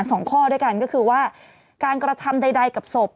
สองข้อด้วยกันก็คือว่าการกระทำใดใดกับศพ